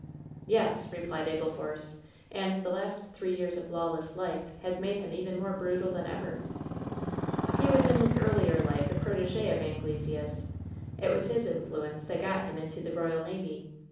^' "Yes," replied Abel Force, "and the last three years of lawless life has made him even more brutal than ever." "He was in his earlier life a protegfi of Anglesea's. It was his influence that got him into the royal navy.